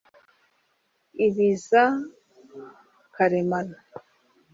ibiza karemano